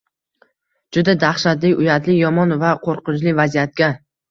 Juda daxshatli, uyatli, yomon va qo’rqinchli vaziyatga